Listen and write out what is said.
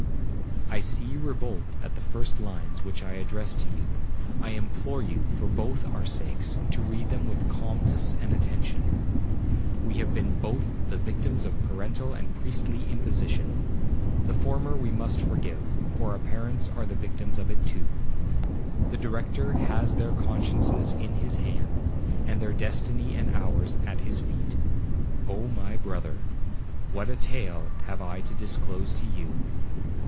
I see you revolt at the first lines which I address to you,—I implore you, for both our sakes, to read them with calmness and attention. We have been both the victims of parental and priestly imposition; the former we must forgive, for our parents are the victims of it too. The Director has their consciences in his hand, and their destiny and ours at his feet. Oh, my brother, what a tale have I to disclose to you!